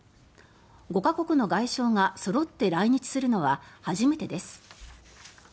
５か国の外相がそろって来日するのは初めてです。